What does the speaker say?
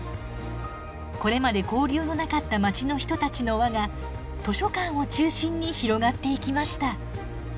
これまで交流のなかった街の人たちの輪が図書館を中心に広がっていきました。